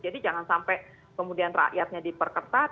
jadi jangan sampai kemudian rakyatnya diperketat